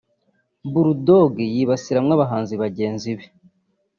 Bull Dogg yibasiramo abahanzi bagenzi be